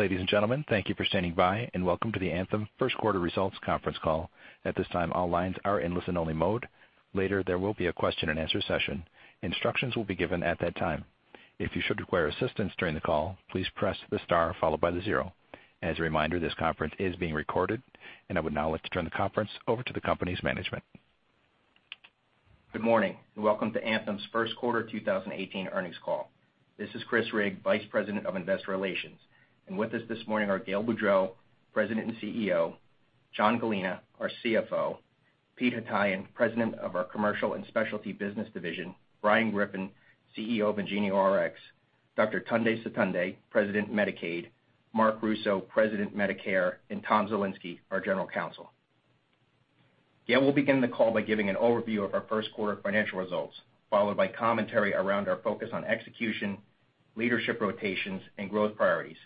Ladies and gentlemen, thank you for standing by, welcome to the Anthem First Quarter Results Conference Call. At this time, all lines are in listen-only mode. Later, there will be a question and answer session. Instructions will be given at that time. If you should require assistance during the call, please press the star followed by the zero. As a reminder, this conference is being recorded, I would now like to turn the conference over to the company's management. Good morning, welcome to Anthem's first quarter 2018 earnings call. This is Chris Rigg, Vice President of Investor Relations. With us this morning are Gail Boudreaux, President and CEO, John Gallina, our CFO, Peter Haytaian, President of our Commercial and Specialty Business Division, Brian Griffin, CEO of IngenioRx, Dr. Tunde Sotunde, President, Medicaid, Marc Russo, President, Medicare, Tom Zielinski, our General Counsel. Gail will begin the call by giving an overview of our first quarter financial results, followed by commentary around our focus on execution, leadership rotations, and growth priorities.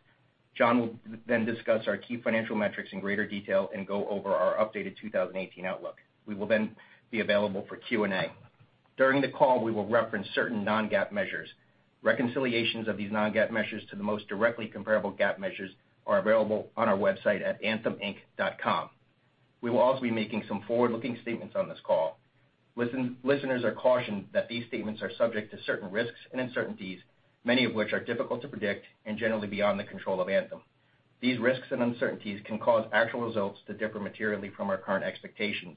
John will discuss our key financial metrics in greater detail and go over our updated 2018 outlook. We will be available for Q&A. During the call, we will reference certain non-GAAP measures. Reconciliations of these non-GAAP measures to the most directly comparable GAAP measures are available on our website at antheminc.com. We will also be making some forward-looking statements on this call. Listeners are cautioned that these statements are subject to certain risks and uncertainties, many of which are difficult to predict and generally beyond the control of Anthem. These risks and uncertainties can cause actual results to differ materially from our current expectations.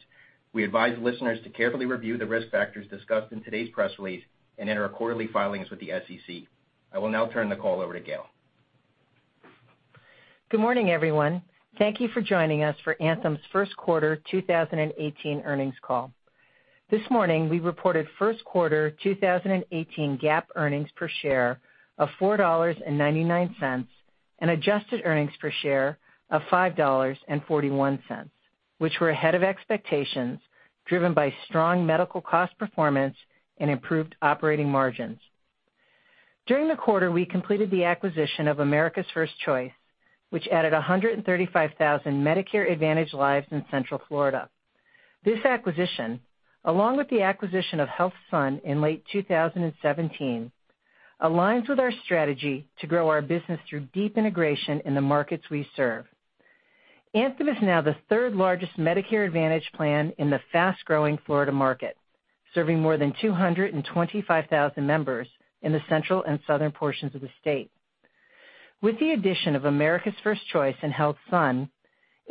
We advise listeners to carefully review the risk factors discussed in today's press release and in our quarterly filings with the SEC. I will now turn the call over to Gail. Good morning, everyone. Thank you for joining us for Anthem's first quarter 2018 earnings call. This morning, we reported first quarter 2018 GAAP earnings per share of $4.99 and adjusted earnings per share of $5.41, which were ahead of expectations, driven by strong medical cost performance and improved operating margins. During the quarter, we completed the acquisition of America's 1st Choice, which added 135,000 Medicare Advantage lives in Central Florida. This acquisition, along with the acquisition of HealthSun in late 2017, aligns with our strategy to grow our business through deep integration in the markets we serve. Anthem is now the third largest Medicare Advantage Plan in the fast-growing Florida market, serving more than 225,000 members in the central and southern portions of the state. With the addition of America's 1st Choice and HealthSun,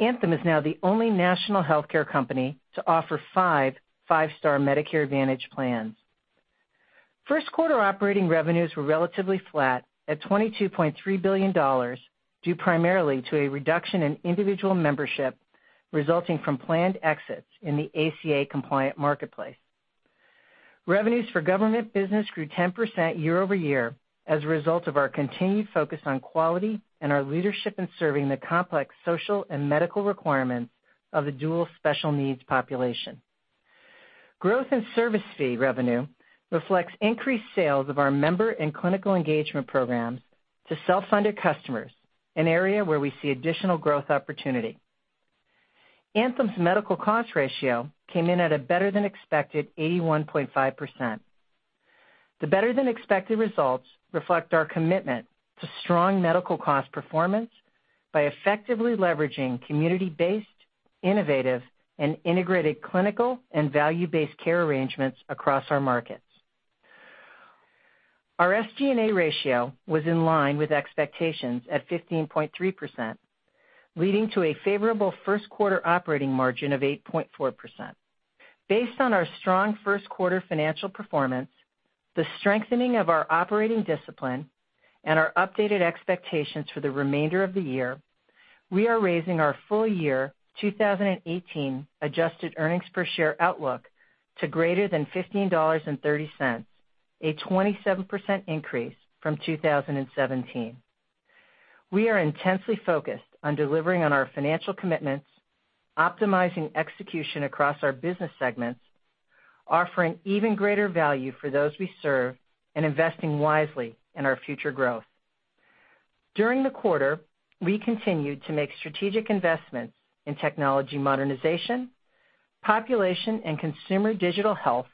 Anthem is now the only national healthcare company to offer five-star Medicare Advantage plans. First quarter operating revenues were relatively flat at $22.3 billion, due primarily to a reduction in individual membership resulting from planned exits in the ACA compliant marketplace. Revenues for government business grew 10% year-over-year as a result of our continued focus on quality and our leadership in serving the complex social and medical requirements of the dual special needs population. Growth in service fee revenue reflects increased sales of our member and clinical engagement programs to self-funded customers, an area where we see additional growth opportunity. Anthem's medical cost ratio came in at a better-than-expected 81.5%. The better-than-expected results reflect our commitment to strong medical cost performance by effectively leveraging community-based, innovative, and integrated clinical and value-based care arrangements across our markets. Our SG&A ratio was in line with expectations at 15.3%, leading to a favorable first quarter operating margin of 8.4%. Based on our strong first quarter financial performance, the strengthening of our operating discipline, and our updated expectations for the remainder of the year, we are raising our full year 2018 adjusted earnings per share outlook to greater than $15.30, a 27% increase from 2017. We are intensely focused on delivering on our financial commitments, optimizing execution across our business segments, offering even greater value for those we serve, and investing wisely in our future growth. During the quarter, we continued to make strategic investments in technology modernization, population and consumer digital health,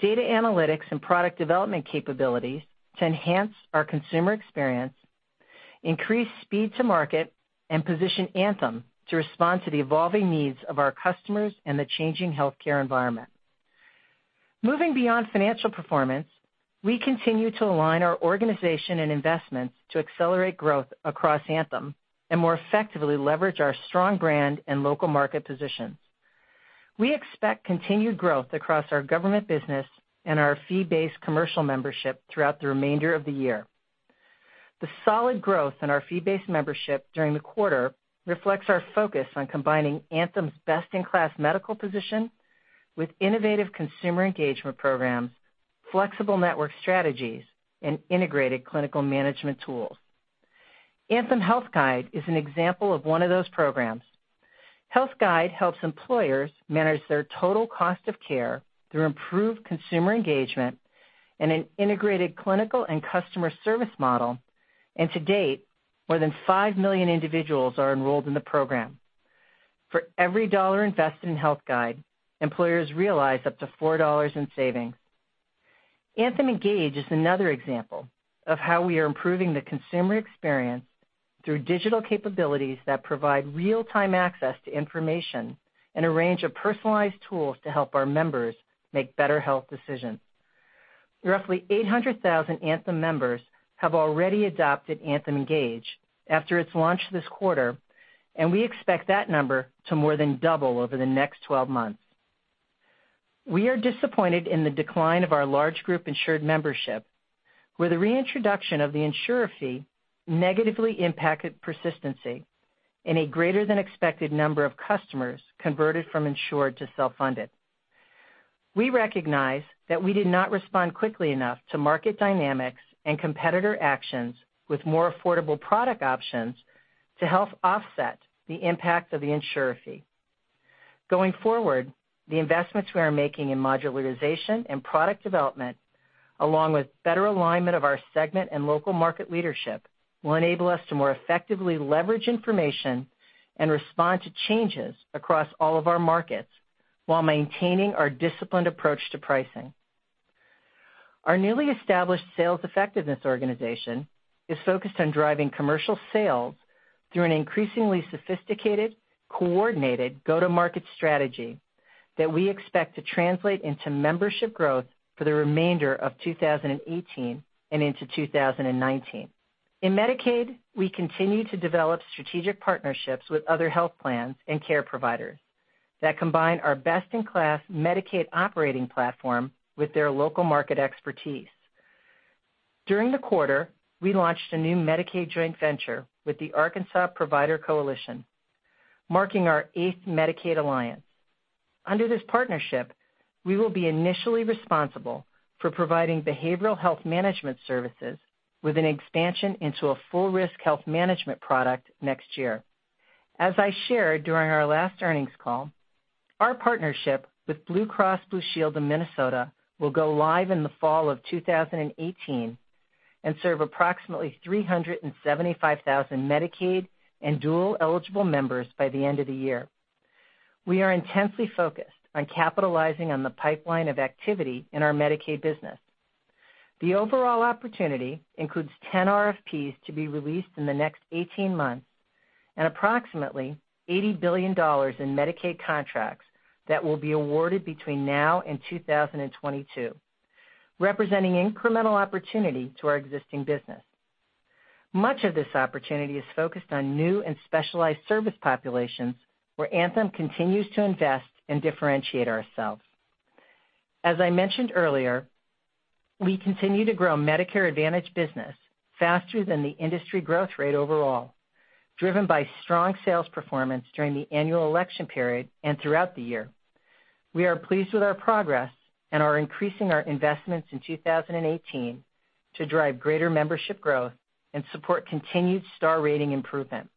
data analytics, and product development capabilities to enhance our consumer experience, increase speed to market, and position Anthem to respond to the evolving needs of our customers and the changing healthcare environment. Moving beyond financial performance, we continue to align our organization and investments to accelerate growth across Anthem and more effectively leverage our strong brand and local market positions. We expect continued growth across our government business and our fee-based commercial membership throughout the remainder of the year. The solid growth in our fee-based membership during the quarter reflects our focus on combining Anthem's best-in-class medical position with innovative consumer engagement programs, flexible network strategies, and integrated clinical management tools. Anthem Health Guide is an example of one of those programs. Health Guide helps employers manage their total cost of care through improved consumer engagement and an integrated clinical and customer service model, and to date, more than five million individuals are enrolled in the program. For every dollar invested in Health Guide, employers realize up to $4 in savings. Anthem Engage is another example of how we are improving the consumer experience through digital capabilities that provide real-time access to information and a range of personalized tools to help our members make better health decisions. Roughly 800,000 Anthem members have already adopted Anthem Engage after its launch this quarter, and we expect that number to more than double over the next 12 months. We are disappointed in the decline of our large group-insured membership, where the reintroduction of the insurer fee negatively impacted persistency, and a greater than expected number of customers converted from insured to self-funded. We recognize that we did not respond quickly enough to market dynamics and competitor actions with more affordable product options to help offset the impact of the insurer fee. Going forward, the investments we are making in modularization and product development, along with better alignment of our segment and local market leadership, will enable us to more effectively leverage information and respond to changes across all of our markets while maintaining our disciplined approach to pricing. Our newly established sales effectiveness organization is focused on driving commercial sales through an increasingly sophisticated, coordinated go-to-market strategy that we expect to translate into membership growth for the remainder of 2018 and into 2019. In Medicaid, we continue to develop strategic partnerships with other health plans and care providers that combine our best-in-class Medicaid operating platform with their local market expertise. During the quarter, we launched a new Medicaid joint venture with the Arkansas Provider Coalition, marking our eighth Medicaid alliance. Under this partnership, we will be initially responsible for providing behavioral health management services with an expansion into a full risk health management product next year. As I shared during our last earnings call, our partnership with Blue Cross Blue Shield in Minnesota will go live in the fall of 2018 and serve approximately 375,000 Medicaid and dual-eligible members by the end of the year. We are intensely focused on capitalizing on the pipeline of activity in our Medicaid business. The overall opportunity includes 10 RFPs to be released in the next 18 months and approximately $80 billion in Medicaid contracts that will be awarded between now and 2022, representing incremental opportunity to our existing business. Much of this opportunity is focused on new and specialized service populations where Anthem continues to invest and differentiate ourselves. As I mentioned earlier, we continue to grow Medicare Advantage business faster than the industry growth rate overall, driven by strong sales performance during the annual election period and throughout the year. We are pleased with our progress and are increasing our investments in 2018 to drive greater membership growth and support continued star rating improvement.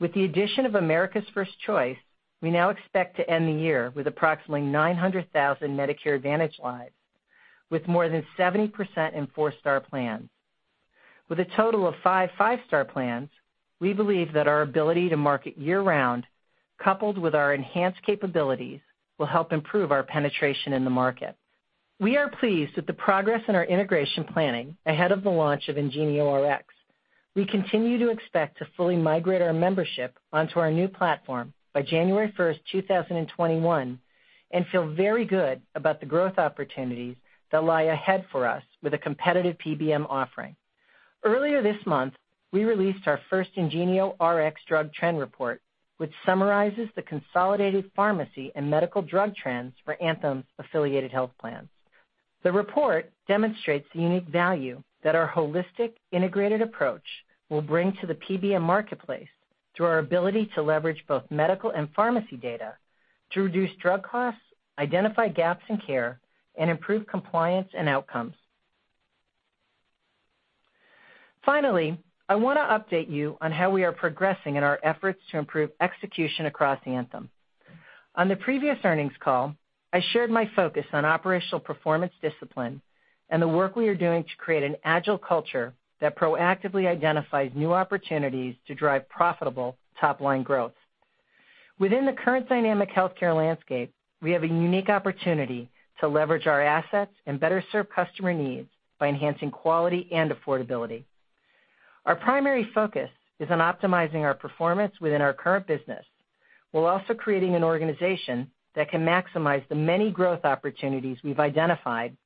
With the addition of America's 1st Choice, we now expect to end the year with approximately 900,000 Medicare Advantage lives, with more than 70% in four-star plans. With a total of five five-star plans, we believe that our ability to market year-round, coupled with our enhanced capabilities, will help improve our penetration in the market. We are pleased with the progress in our integration planning ahead of the launch of IngenioRx. We continue to expect to fully migrate our membership onto our new platform by January 1st, 2021, and feel very good about the growth opportunities that lie ahead for us with a competitive PBM offering. Earlier this month, we released our first IngenioRx drug trend report, which summarizes the consolidated pharmacy and medical drug trends for Anthem's affiliated health plans. The report demonstrates the unique value that our holistic integrated approach will bring to the PBM marketplace through our ability to leverage both medical and pharmacy data to reduce drug costs, identify gaps in care, and improve compliance and outcomes. I want to update you on how we are progressing in our efforts to improve execution across Anthem. On the previous earnings call, I shared my focus on operational performance discipline and the work we are doing to create an agile culture that proactively identifies new opportunities to drive profitable top-line growth. Within the current dynamic healthcare landscape, we have a unique opportunity to leverage our assets and better serve customer needs by enhancing quality and affordability. Our primary focus is on optimizing our performance within our current business, while also creating an organization that can maximize the many growth opportunities we've identified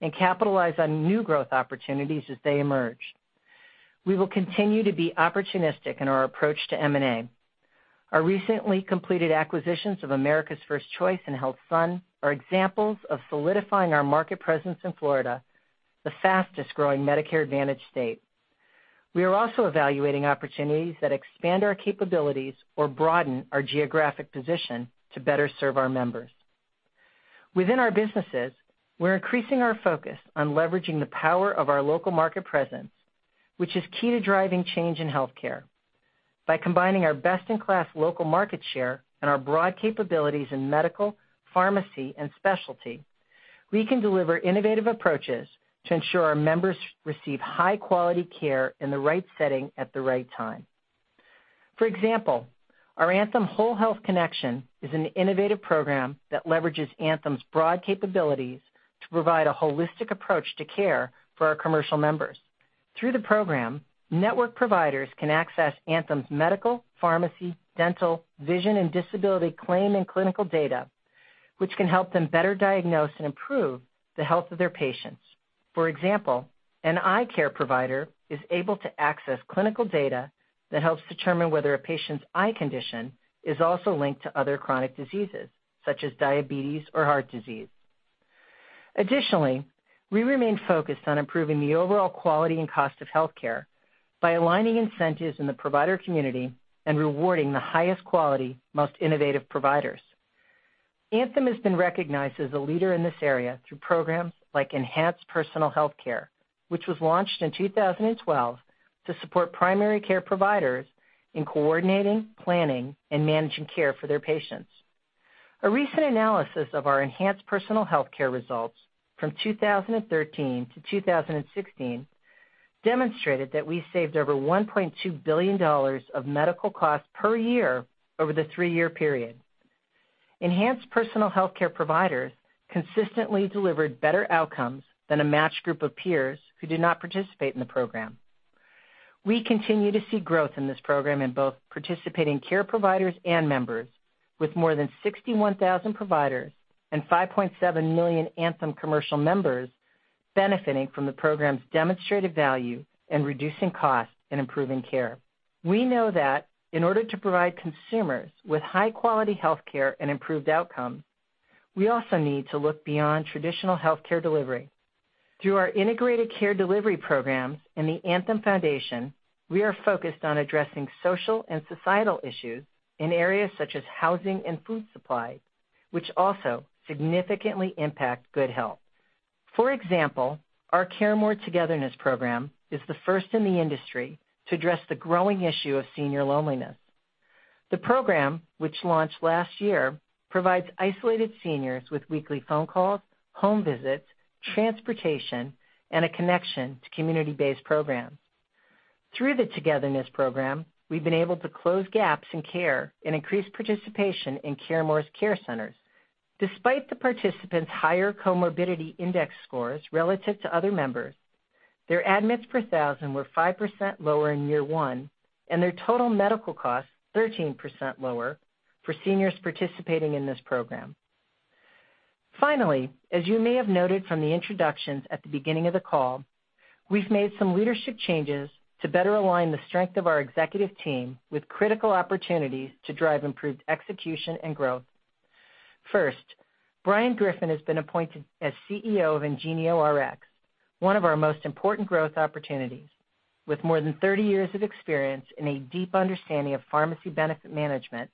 and capitalize on new growth opportunities as they emerge. We will continue to be opportunistic in our approach to M&A. Our recently completed acquisitions of America's 1st Choice and HealthSun are examples of solidifying our market presence in Florida, the fastest-growing Medicare Advantage state. We are also evaluating opportunities that expand our capabilities or broaden our geographic position to better serve our members. Within our businesses, we're increasing our focus on leveraging the power of our local market presence, which is key to driving change in healthcare. By combining our best-in-class local market share and our broad capabilities in medical, pharmacy, and specialty, we can deliver innovative approaches to ensure our members receive high-quality care in the right setting at the right time. For example, our Anthem Whole Health Connection is an innovative program that leverages Anthem's broad capabilities to provide a holistic approach to care for our commercial members. Through the program, network providers can access Anthem's medical, pharmacy, dental, vision, and disability claim and clinical data, which can help them better diagnose and improve the health of their patients. For example, an eye care provider is able to access clinical data that helps determine whether a patient's eye condition is also linked to other chronic diseases, such as diabetes or heart disease. We remain focused on improving the overall quality and cost of healthcare by aligning incentives in the provider community and rewarding the highest quality, most innovative providers. Anthem has been recognized as a leader in this area through programs like Enhanced Personal Health Care, which was launched in 2012 to support primary care providers in coordinating, planning, and managing care for their patients. A recent analysis of our Enhanced Personal Health Care results from 2013-2016 demonstrated that we saved over $1.2 billion of medical costs per year over the three-year period. Enhanced Personal Health Care providers consistently delivered better outcomes than a matched group of peers who did not participate in the program. We continue to see growth in this program in both participating care providers and members with more than 61,000 providers and 5.7 million Anthem commercial members benefiting from the program's demonstrated value in reducing costs and improving care. We know that in order to provide consumers with high-quality healthcare and improved outcomes, we also need to look beyond traditional healthcare delivery. Through our integrated care delivery programs and the Anthem Foundation, we are focused on addressing social and societal issues in areas such as housing and food supply, which also significantly impact good health. For example, our CareMore Togetherness program is the first in the industry to address the growing issue of senior loneliness. The program, which launched last year, provides isolated seniors with weekly phone calls, home visits, transportation, and a connection to community-based programs. Through the Togetherness program, we've been able to close gaps in care and increase participation in CareMore's care centers. Despite the participants' higher comorbidity index scores relative to other members, their admits per thousand were 5% lower in year one, and their total medical costs 13% lower for seniors participating in this program. Finally, as you may have noted from the introductions at the beginning of the call, we've made some leadership changes to better align the strength of our executive team with critical opportunities to drive improved execution and growth. First, Brian Griffin has been appointed as CEO of IngenioRx, one of our most important growth opportunities. With more than 30 years of experience and a deep understanding of pharmacy benefit management,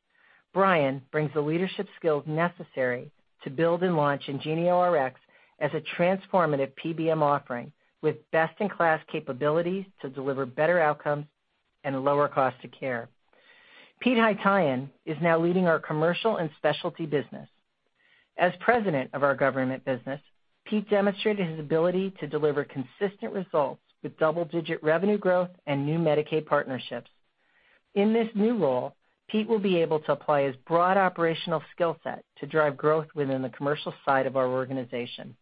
Brian brings the leadership skills necessary to build and launch IngenioRx as a transformative PBM offering with best-in-class capabilities to deliver better outcomes and lower cost of care. Pete Haytaian is now leading our commercial and specialty business. As president of our government business, Pete demonstrated his ability to deliver consistent results with double-digit revenue growth and new Medicaid partnerships. In this new role, Pete will be able to apply his broad operational skill set to drive growth within the commercial side of our organization.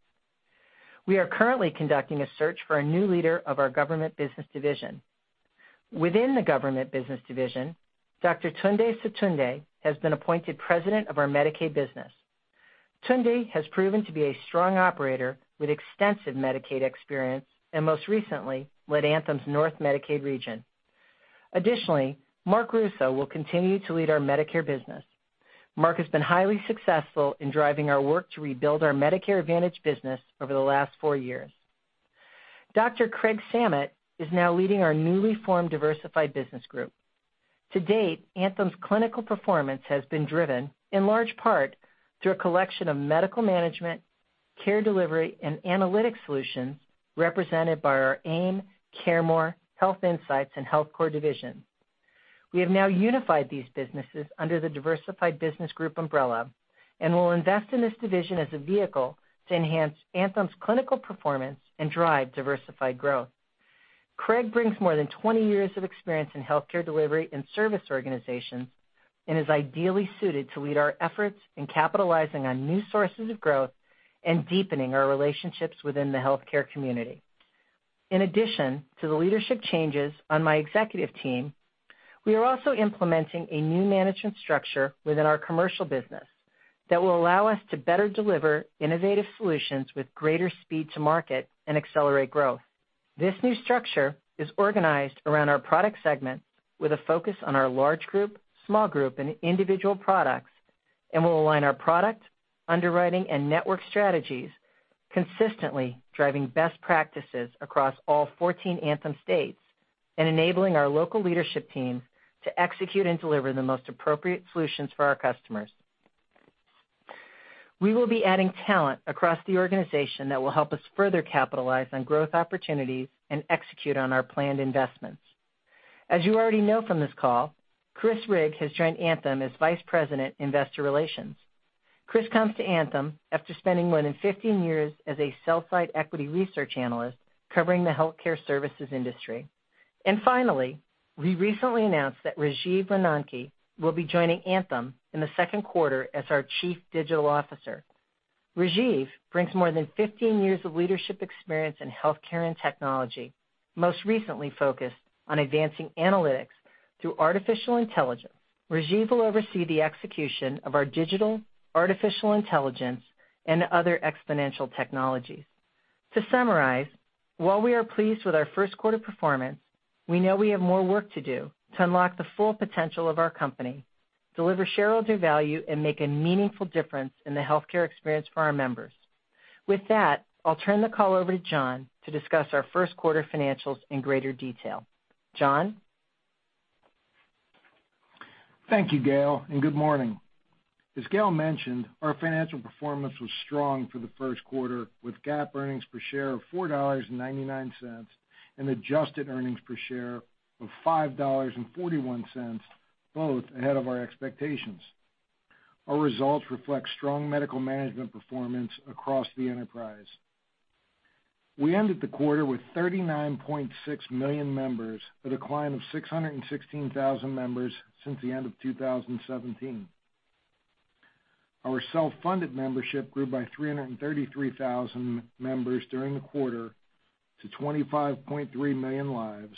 We are currently conducting a search for a new leader of our government business division. Within the government business division, Dr. Tunde Sotunde has been appointed president of our Medicaid business. Tunde has proven to be a strong operator with extensive Medicaid experience and most recently led Anthem's North Medicaid region. Additionally, Marc Russo will continue to lead our Medicare business. Marc has been highly successful in driving our work to rebuild our Medicare Advantage business over the last four years. Dr. Craig Samitt is now leading our newly formed Diversified Business Group. To date, Anthem's clinical performance has been driven in large part through a collection of medical management, care delivery, and analytics solutions represented by our AIM, CareMore, Health Insights, and HealthCore division. We have now unified these businesses under the Diversified Business Group umbrella and will invest in this division as a vehicle to enhance Anthem's clinical performance and drive diversified growth. Craig brings more than 20 years of experience in healthcare delivery and service organizations and is ideally suited to lead our efforts in capitalizing on new sources of growth and deepening our relationships within the healthcare community. In addition to the leadership changes on my executive team, we are also implementing a new management structure within our commercial business that will allow us to better deliver innovative solutions with greater speed to market and accelerate growth. This new structure is organized around our product segment with a focus on our large group, small group, and individual products and will align our product, underwriting, and network strategies consistently driving best practices across all 14 Anthem states and enabling our local leadership teams to execute and deliver the most appropriate solutions for our customers. We will be adding talent across the organization that will help us further capitalize on growth opportunities and execute on our planned investments. As you already know from this call, Chris Rigg has joined Anthem as vice president, investor relations. Chris comes to Anthem after spending more than 15 years as a sell-side equity research analyst covering the healthcare services industry. Finally, we recently announced that Rajeev Ronanki will be joining Anthem in the second quarter as our chief digital officer. Rajeev brings more than 15 years of leadership experience in healthcare and technology, most recently focused on advancing analytics through artificial intelligence. Rajeev will oversee the execution of our digital, artificial intelligence, and other exponential technologies. To summarize, while we are pleased with our first quarter performance, we know we have more work to do to unlock the full potential of our company, deliver shareholder value, and make a meaningful difference in the healthcare experience for our members. With that, I'll turn the call over to John to discuss our first quarter financials in greater detail. John? Thank you, Gail, and good morning. As Gail mentioned, our financial performance was strong for the first quarter, with GAAP earnings per share of $4.99 and adjusted earnings per share of $5.41, both ahead of our expectations. Our results reflect strong medical management performance across the enterprise. We ended the quarter with 39.6 million members, with a decline of 616,000 members since the end of 2017. Our self-funded membership grew by 333,000 members during the quarter to 25.3 million lives,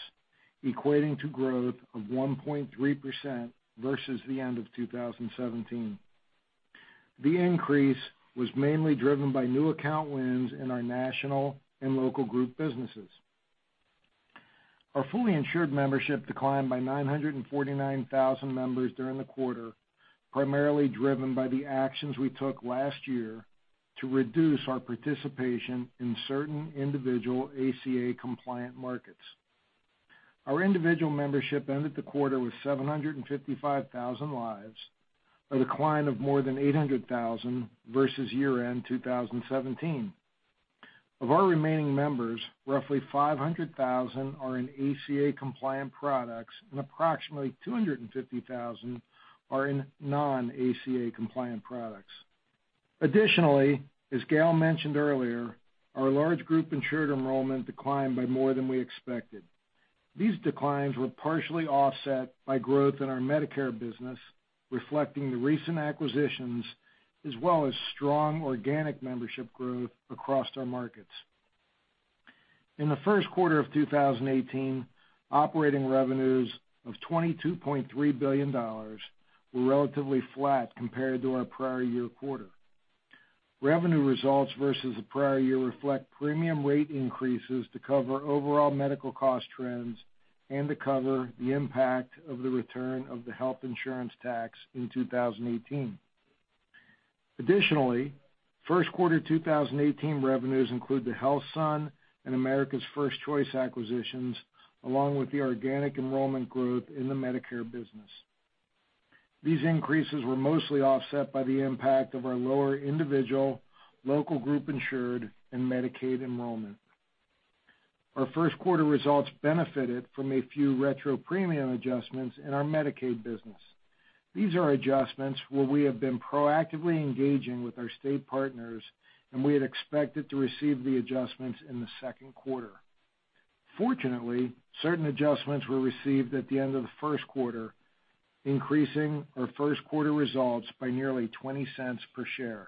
equating to growth of 1.3% versus the end of 2017. The increase was mainly driven by new account wins in our national and local group businesses. Our fully insured membership declined by 949,000 members during the quarter, primarily driven by the actions we took last year to reduce our participation in certain individual ACA-compliant markets. Our individual membership ended the quarter with 755,000 lives, a decline of more than 800,000 versus year-end 2017. Of our remaining members, roughly 500,000 are in ACA-compliant products, and approximately 250,000 are in non-ACA compliant products. Additionally, as Gail mentioned earlier, our large group insured enrollment declined by more than we expected. These declines were partially offset by growth in our Medicare business, reflecting the recent acquisitions, as well as strong organic membership growth across our markets. In the first quarter of 2018, operating revenues of $22.3 billion were relatively flat compared to our prior year quarter. Revenue results versus the prior year reflect premium rate increases to cover overall medical cost trends and to cover the impact of the return of the health insurance tax in 2018. Additionally, first quarter 2018 revenues include the HealthSun and America's 1st Choice acquisitions, along with the organic enrollment growth in the Medicare business. These increases were mostly offset by the impact of our lower individual, local group insured, and Medicaid enrollment. Our first quarter results benefited from a few retro premium adjustments in our Medicaid business. These are adjustments where we have been proactively engaging with our state partners, and we had expected to receive the adjustments in the second quarter. Fortunately, certain adjustments were received at the end of the first quarter, increasing our first quarter results by nearly $0.20 per share.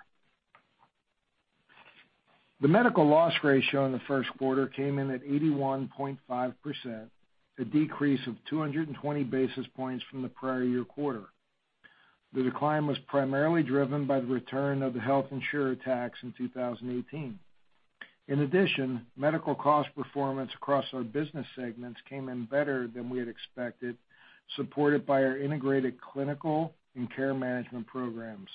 The medical loss ratio in the first quarter came in at 81.5%, a decrease of 220 basis points from the prior year quarter. The decline was primarily driven by the return of the Health Insurer Fee in 2018. Medical cost performance across our business segments came in better than we had expected, supported by our integrated clinical and care management programs.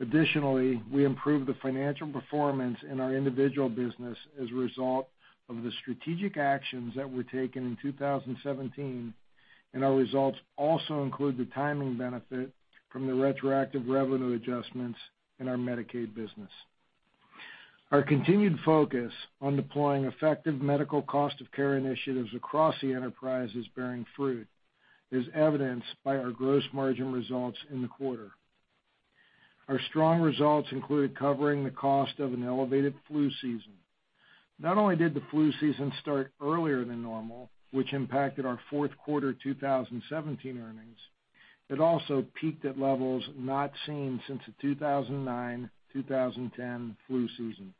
Additionally, we improved the financial performance in our individual business as a result of the strategic actions that were taken in 2017, and our results also include the timing benefit from the retroactive revenue adjustments in our Medicaid business. Our continued focus on deploying effective medical cost of care initiatives across the enterprise is bearing fruit, as evidenced by our gross margin results in the quarter. Our strong results included covering the cost of an elevated flu season. Not only did the flu season start earlier than normal, which impacted our fourth quarter 2017 earnings, it also peaked at levels not seen since the 2009-2010 flu season.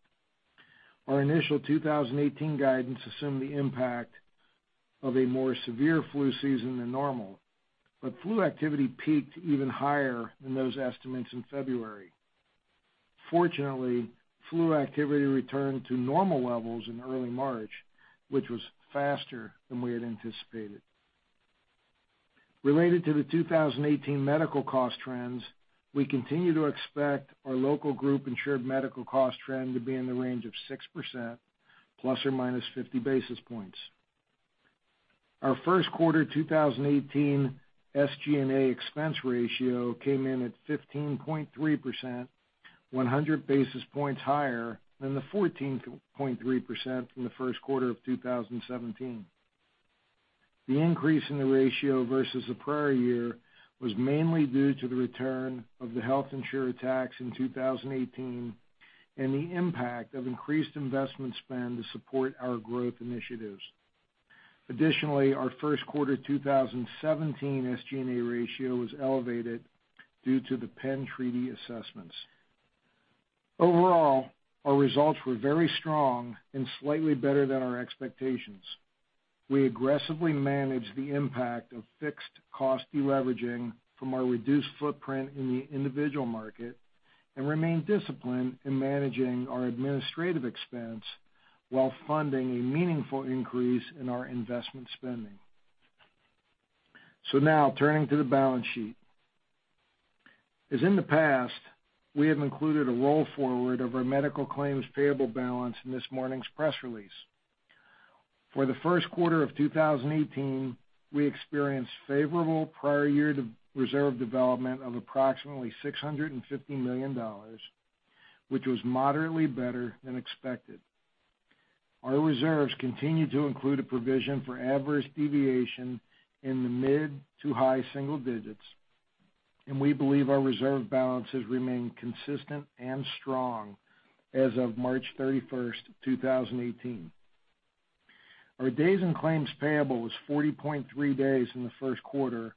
Our initial 2018 guidance assumed the impact of a more severe flu season than normal, flu activity peaked even higher than those estimates in February. Fortunately, flu activity returned to normal levels in early March, which was faster than we had anticipated. Related to the 2018 medical cost trends, we continue to expect our local group insured medical cost trend to be in the range of 6%, ±50 basis points. Our first quarter 2018 SG&A expense ratio came in at 15.3%, 100 basis points higher than the 14.3% from the first quarter of 2017. The increase in the ratio versus the prior year was mainly due to the return of the Health Insurer Fee in 2018 and the impact of increased investment spend to support our growth initiatives. Additionally, our first quarter 2017 SG&A ratio was elevated due to the PENN treaty assessments. Overall, our results were very strong and slightly better than our expectations. We aggressively managed the impact of fixed cost deleveraging from our reduced footprint in the individual market and remained disciplined in managing our administrative expense while funding a meaningful increase in our investment spending. Now turning to the balance sheet. As in the past, we have included a roll forward of our medical claims payable balance in this morning's press release. For the first quarter of 2018, we experienced favorable prior year reserve development of approximately $650 million, which was moderately better than expected. Our reserves continue to include a provision for adverse deviation in the mid to high single digits, and we believe our reserve balance has remained consistent and strong as of March 31st, 2018. Our days in claims payable was 40.3 days in the first quarter,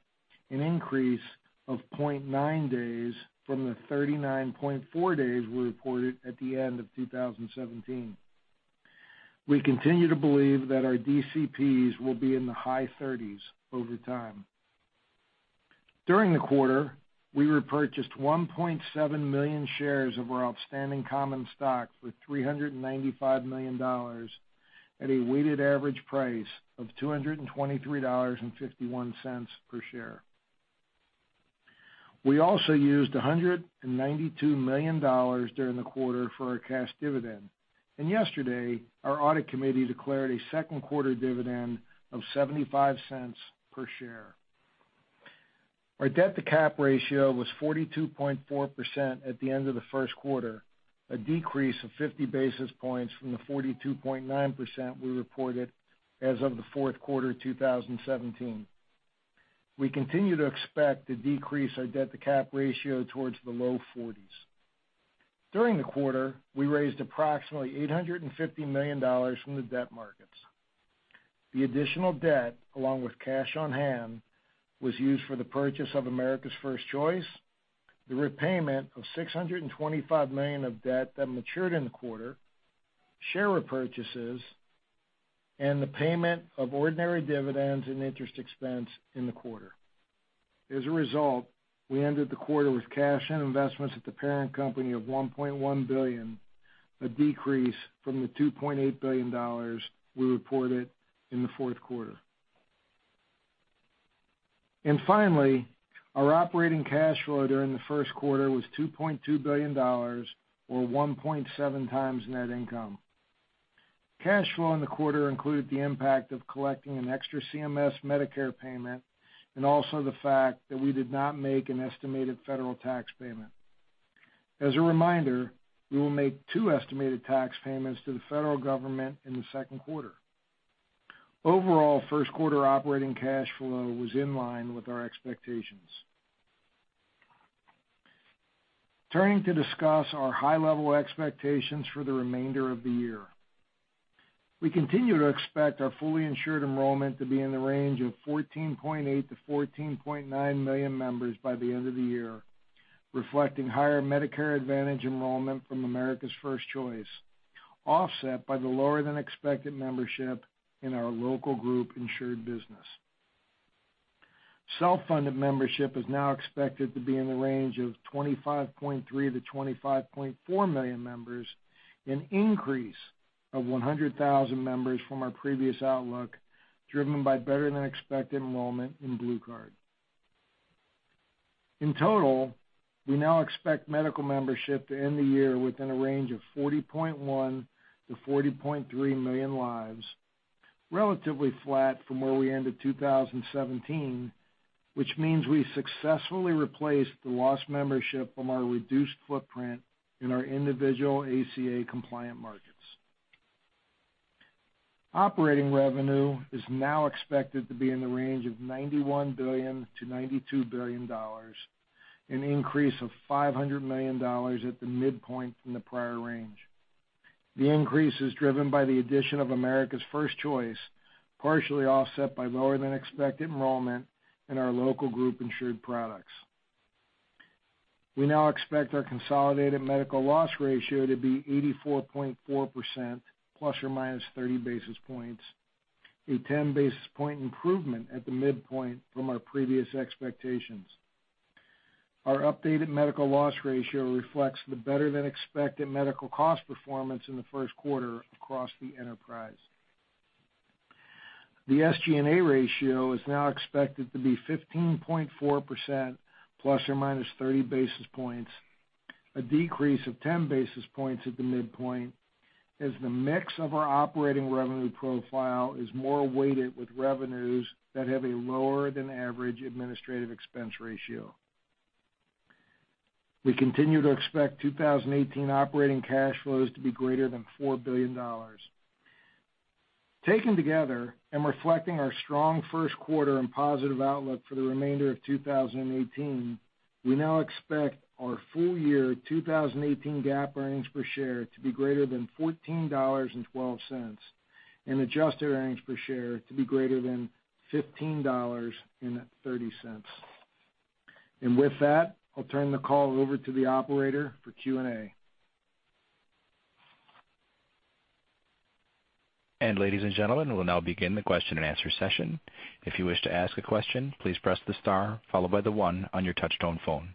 an increase of 0.9 days from the 39.4 days we reported at the end of 2017. We continue to believe that our DCPs will be in the high 30s over time. During the quarter, we repurchased 1.7 million shares of our outstanding common stock for $395 million at a weighted average price of $223.51 per share. We also used $192 million during the quarter for our cash dividend. Yesterday, our audit committee declared a second quarter dividend of $0.75 per share. Our debt-to-cap ratio was 42.4% at the end of the first quarter, a decrease of 50 basis points from the 42.9% we reported as of the fourth quarter 2017. We continue to expect to decrease our debt-to-cap ratio towards the low 40s. During the quarter, we raised approximately $850 million from the debt markets. The additional debt, along with cash on hand, was used for the purchase of America's First Choice, the repayment of $625 million of debt that matured in the quarter, share repurchases, and the payment of ordinary dividends and interest expense in the quarter. As a result, we ended the quarter with cash and investments at the parent company of $1.1 billion, a decrease from the $2.8 billion we reported in the fourth quarter. Finally, our operating cash flow during the first quarter was $2.2 billion or 1.7 times net income. Cash flow in the quarter included the impact of collecting an extra CMS Medicare payment and also the fact that we did not make an estimated federal tax payment. As a reminder, we will make two estimated tax payments to the federal government in the second quarter. Overall, first quarter operating cash flow was in line with our expectations. Turning to discuss our high-level expectations for the remainder of the year. We continue to expect our fully insured enrollment to be in the range of 14.8 million to 14.9 million members by the end of the year, reflecting higher Medicare Advantage enrollment from America's First Choice, offset by the lower-than-expected membership in our local group insured business. Self-funded membership is now expected to be in the range of 25.3 million to 25.4 million members, an increase of 100,000 members from our previous outlook, driven by better-than-expected enrollment in BlueCard. In total, we now expect medical membership to end the year within a range of 40.1 million to 40.3 million lives, relatively flat from where we ended 2017, which means we successfully replaced the lost membership from our reduced footprint in our individual ACA compliant markets. Operating revenue is now expected to be in the range of $91 billion to $92 billion, an increase of $500 million at the midpoint from the prior range. The increase is driven by the addition of America's First Choice, partially offset by lower-than-expected enrollment in our local group insured products. We now expect our consolidated medical loss ratio to be 84.4% ± 30 basis points, a 10 basis point improvement at the midpoint from our previous expectations. Our updated medical loss ratio reflects the better-than-expected medical cost performance in the first quarter across the enterprise. The SG&A ratio is now expected to be 15.4% ± 30 basis points, a decrease of 10 basis points at the midpoint, as the mix of our operating revenue profile is more weighted with revenues that have a lower-than-average administrative expense ratio. We continue to expect 2018 operating cash flows to be greater than $4 billion. Taken together and reflecting our strong first quarter and positive outlook for the remainder of 2018, we now expect our full year 2018 GAAP earnings per share to be greater than $14.12 and adjusted earnings per share to be greater than $15.30. With that, I'll turn the call over to the operator for Q&A. Ladies and gentlemen, we'll now begin the question and answer session. If you wish to ask a question, please press the star followed by the one on your touchtone phone.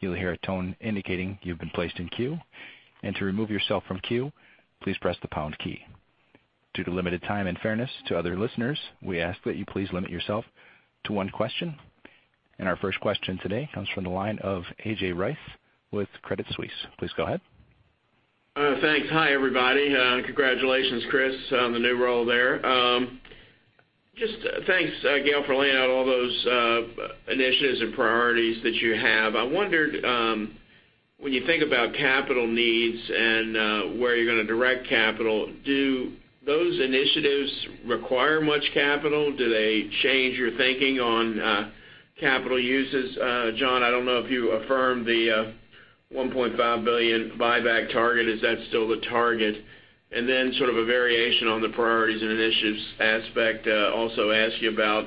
You'll hear a tone indicating you've been placed in queue, to remove yourself from queue, please press the pound key. Due to limited time and fairness to other listeners, we ask that you please limit yourself to one question. Our first question today comes from the line of A.J. Rice with Credit Suisse. Please go ahead. Thanks. Hi, everybody. Congratulations, Chris, on the new role there. Just thanks, Gail, for laying out all those initiatives and priorities that you have. I wondered, when you think about capital needs and where you're going to direct capital, do those initiatives require much capital? Do they change your thinking on capital uses? John, I don't know if you affirmed the $1.5 billion buyback target. Is that still the target? Then sort of a variation on the priorities and initiatives aspect, also ask you about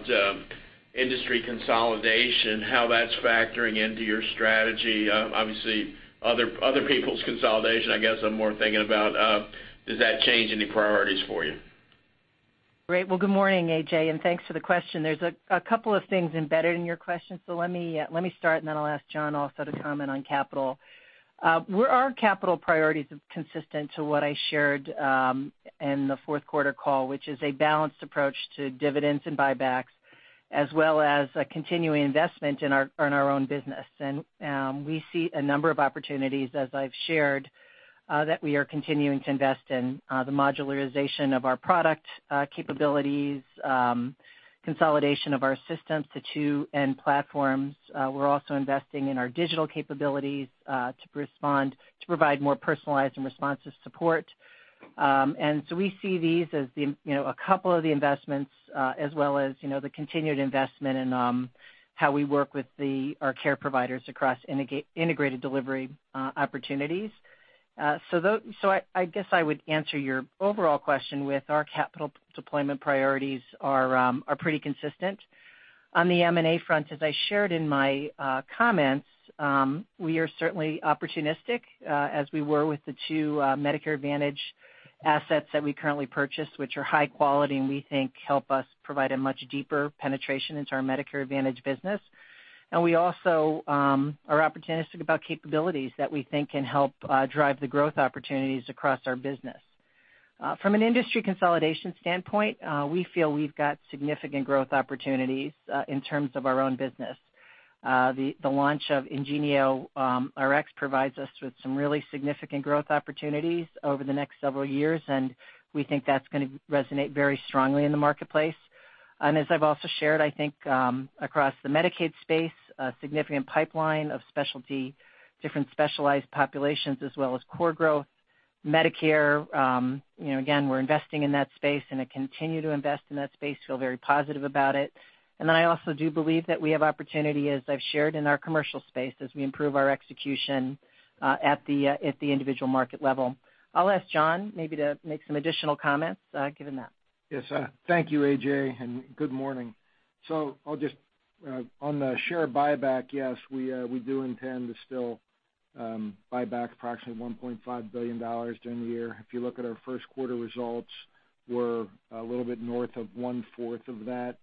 industry consolidation, how that's factoring into your strategy. Obviously, other people's consolidation, I guess I'm more thinking about does that change any priorities for you? Great. Well, good morning, A.J., thanks for the question. There's a couple of things embedded in your question, so let me start, then I'll ask John also to comment on capital. Our capital priorities is consistent to what I shared in the fourth quarter call, which is a balanced approach to dividends and buybacks, as well as a continuing investment in our own business. We see a number of opportunities, as I've shared, that we are continuing to invest in the modularization of our product capabilities, consolidation of our systems to two end platforms. We're also investing in our digital capabilities to provide more personalized and responsive support. So we see these as a couple of the investments, as well as the continued investment in how we work with our care providers across integrated delivery opportunities. I guess I would answer your overall question with our capital deployment priorities are pretty consistent. On the M&A front, as I shared in my comments, we are certainly opportunistic as we were with the two Medicare Advantage assets that we currently purchased, which are high quality, and we think help us provide a much deeper penetration into our Medicare Advantage business. We also are opportunistic about capabilities that we think can help drive the growth opportunities across our business. From an industry consolidation standpoint, we feel we've got significant growth opportunities in terms of our own business. The launch of IngenioRx provides us with some really significant growth opportunities over the next several years, and we think that's going to resonate very strongly in the marketplace. As I've also shared, I think, across the Medicaid space, a significant pipeline of different specialized populations as well as core growth. Medicare, again, we're investing in that space and continue to invest in that space, feel very positive about it. Then I also do believe that we have opportunity, as I've shared in our commercial space, as we improve our execution at the individual market level. I'll ask John maybe to make some additional comments given that. Yes. Thank you, A.J., and good morning. On the share buyback, yes, we do intend to still buy back approximately $1.5 billion during the year. If you look at our first quarter results, we're a little bit north of one-fourth of that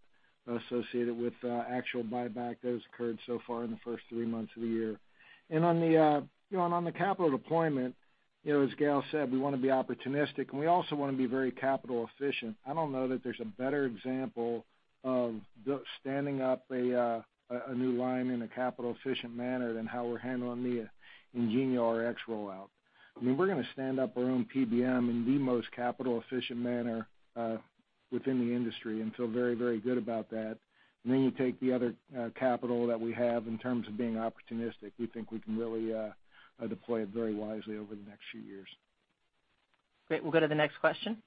associated with actual buyback that has occurred so far in the first three months of the year. On the capital deployment, as Gail said, we want to be opportunistic, and we also want to be very capital efficient. I don't know that there's a better example of standing up a new line in a capital efficient manner than how we're handling the IngenioRx rollout. We're going to stand up our own PBM in the most capital efficient manner within the industry and feel very, very good about that. Then you take the other capital that we have in terms of being opportunistic. We think we can really deploy it very wisely over the next few years. Great. We'll go to the next question.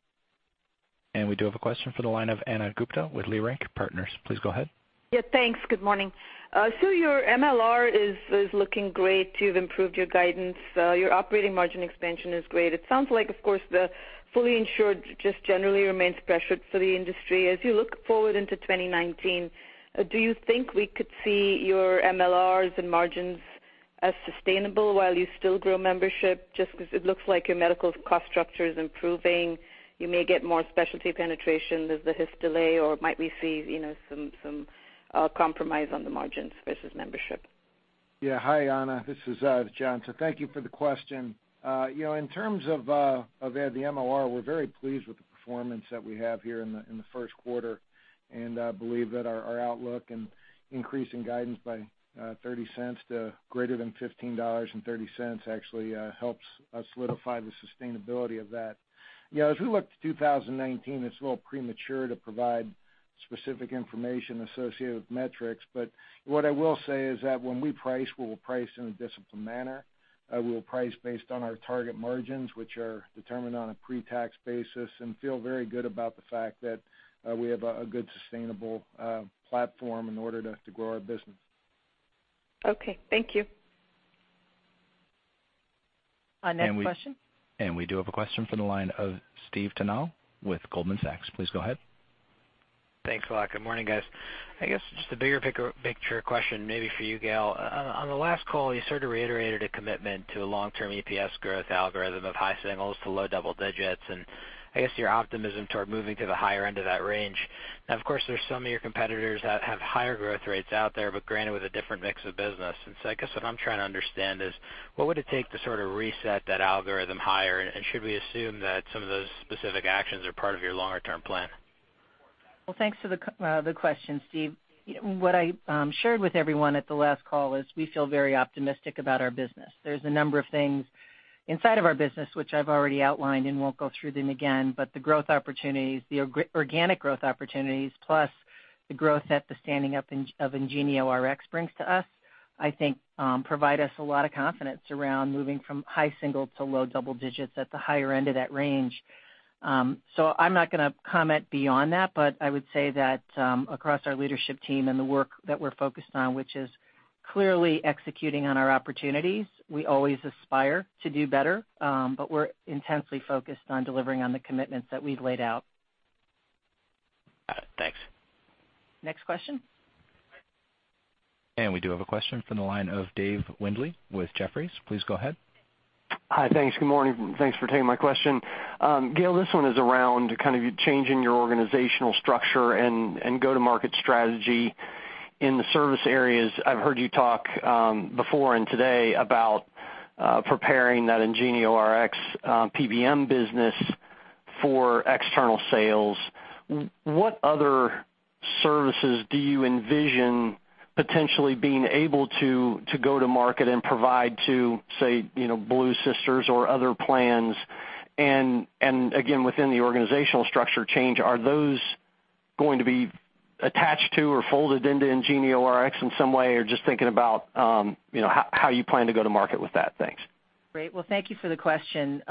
We do have a question for the line of Ana Gupte with Leerink Partners. Please go ahead. Yeah, thanks. Good morning. Your MLR is looking great. You've improved your guidance. Your operating margin expansion is great. It sounds like, of course, the fully insured just generally remains pressured for the industry. As you look forward into 2019, do you think we could see your MLRs and margins as sustainable while you still grow membership, just because it looks like your medical cost structure is improving, you may get more specialty penetration with the HIF delay, or might we see some compromise on the margins versus membership? Yeah. Hi, Ana. This is John. Thank you for the question. In terms of the MLR, we're very pleased with the performance that we have here in the first quarter, and believe that our outlook and increasing guidance by $0.30 to greater than $15.30 actually helps us solidify the sustainability of that. As we look to 2019, it's a little premature to provide specific information associated with metrics. What I will say is that when we price, we will price in a disciplined manner. We will price based on our target margins, which are determined on a pre-tax basis, and feel very good about the fact that we have a good, sustainable platform in order to grow our business. Okay. Thank you. Our next question. We do have a question from the line of Stephen Tanal with Goldman Sachs. Please go ahead. Thanks a lot. Good morning, guys. I guess just a bigger picture question maybe for you, Gail. On the last call, you sort of reiterated a commitment to a long-term EPS growth algorithm of high singles to low double digits, and I guess your optimism toward moving to the higher end of that range. Now, of course, there's some of your competitors that have higher growth rates out there, but granted, with a different mix of business. I guess what I'm trying to understand is, what would it take to sort of reset that algorithm higher? Should we assume that some of those specific actions are part of your longer-term plan? Well, thanks for the question, Steve. What I shared with everyone at the last call is we feel very optimistic about our business. There's a number of things inside of our business, which I've already outlined and won't go through them again. The growth opportunities, the organic growth opportunities, plus the growth that the standing up of IngenioRx brings to us, I think provide us a lot of confidence around moving from high single to low double digits at the higher end of that range. I'm not going to comment beyond that, but I would say that across our leadership team and the work that we're focused on, which is clearly executing on our opportunities, we always aspire to do better. We're intensely focused on delivering on the commitments that we've laid out. Got it. Thanks. Next question. We do have a question from the line of David Windley with Jefferies. Please go ahead. Hi. Thanks. Good morning. Thanks for taking my question. Gail, this one is around kind of changing your organizational structure and go-to-market strategy in the service areas. I've heard you talk before and today about preparing that IngenioRx PBM business for external sales. What other services do you envision potentially being able to go to market and provide to, say, Blue's sisters or other plans? Again, within the organizational structure change, are those going to be attached to or folded into IngenioRx in some way, or just thinking about how you plan to go to market with that? Thanks. Great. Well, thank you for the question.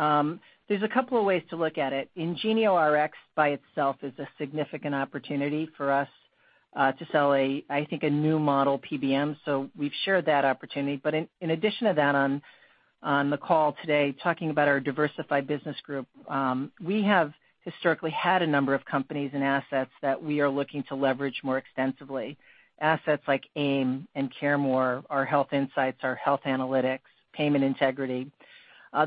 There's a couple of ways to look at it. IngenioRx by itself is a significant opportunity for us to sell, I think, a new model PBM. We've shared that opportunity. In addition to that, on the call today, talking about our Diversified Business Group, we have historically had a number of companies and assets that we are looking to leverage more extensively. Assets like AIM Specialty Health and CareMore, our Health Insights, our health analytics, payment integrity.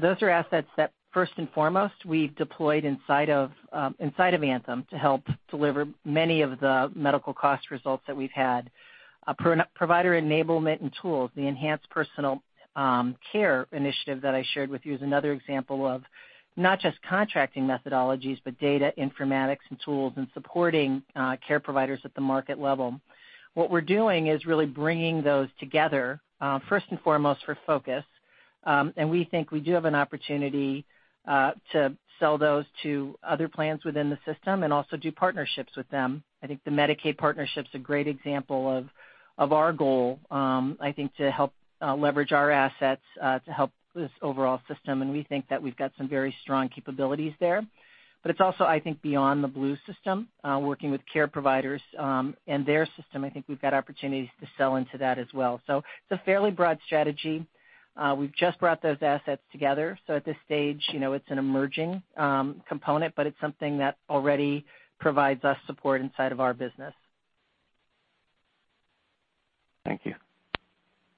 Those are assets that first and foremost, we deployed inside of Anthem to help deliver many of the medical cost results that we've had. Provider enablement and tools, the Enhanced Personal Health Care initiative that I shared with you is another example of not just contracting methodologies, but data informatics and tools and supporting care providers at the market level. What we're doing is really bringing those together, first and foremost for focus. We think we do have an opportunity to sell those to other plans within the system and also do partnerships with them. I think the Medicaid partnership's a great example of our goal, I think, to help leverage our assets to help this overall system. We think that we've got some very strong capabilities there. It's also, I think, beyond the Blue system, working with care providers and their system. I think we've got opportunities to sell into that as well. It's a fairly broad strategy. We've just brought those assets together. At this stage, it's an emerging component, but it's something that already provides us support inside of our business. Thank you.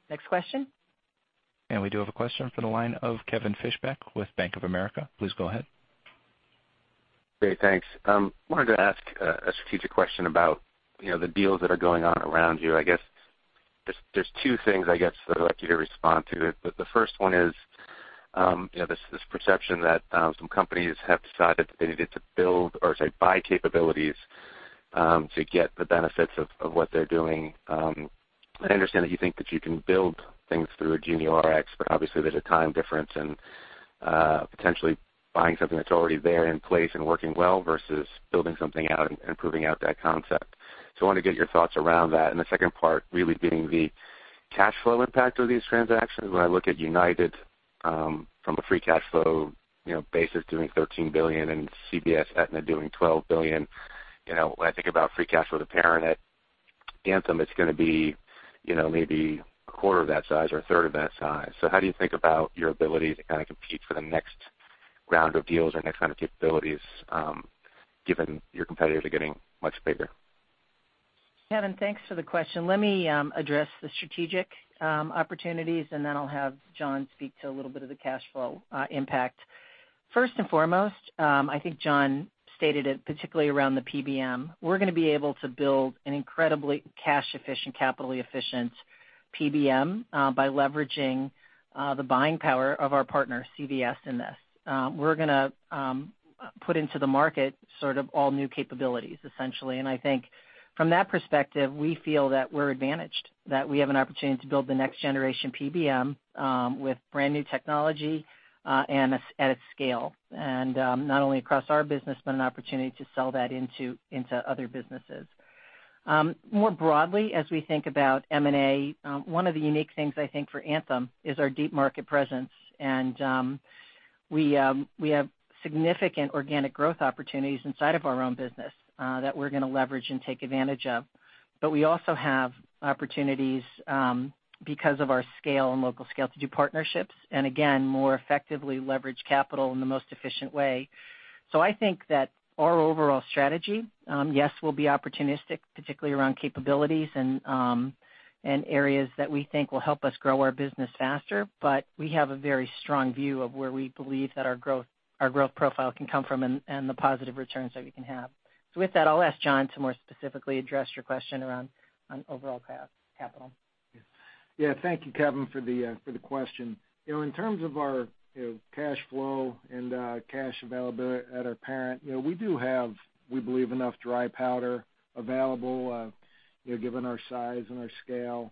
Next question. We do have a question from the line of Kevin Fischbeck with Bank of America. Please go ahead. Great. Thanks. Wanted to ask a strategic question about the deals that are going on around you. I guess there's two things I'd like you to respond to. The first one is this perception that some companies have decided that they needed to build, or say, buy capabilities to get the benefits of what they're doing. I understand that you think that you can build things through IngenioRx, but obviously, there's a time difference in potentially buying something that's already there in place and working well versus building something out and proving out that concept. I wanted to get your thoughts around that. The second part really being the cash flow impact of these transactions. When I look at United from a free cash flow basis, doing $13 billion and CVS, Aetna doing $12 billion. When I think about free cash flow to parent at Anthem, it's going to be maybe a quarter of that size or a third of that size. How do you think about your ability to kind of compete for the next round of deals or next kind of capabilities, given your competitors are getting much bigger? Kevin, thanks for the question. Let me address the strategic opportunities, then I'll have John speak to a little bit of the cash flow impact. First and foremost, I think John stated it particularly around the PBM. We're going to be able to build an incredibly cash efficient, capitally efficient PBM by leveraging the buying power of our partner, CVS, in this. We're going to put into the market sort of all new capabilities, essentially. I think from that perspective, we feel that we're advantaged, that we have an opportunity to build the next generation PBM with brand new technology at a scale. Not only across our business, but an opportunity to sell that into other businesses. More broadly, as we think about M&A, one of the unique things I think for Anthem is our deep market presence. We have significant organic growth opportunities inside of our own business that we're going to leverage and take advantage of. We also have opportunities because of our scale and local scale to do partnerships, again, more effectively leverage capital in the most efficient way. I think that our overall strategy, yes, we'll be opportunistic, particularly around capabilities and areas that we think will help us grow our business faster. We have a very strong view of where we believe that our growth profile can come from and the positive returns that we can have. With that, I'll ask John to more specifically address your question around overall capital. Thank you, Kevin, for the question. In terms of our cash flow and cash availability at our parent, we do have, we believe, enough dry powder available, given our size and our scale.